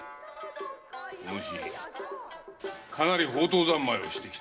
お主かなり放蕩三昧をしてきたようだな。